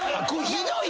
ひどい。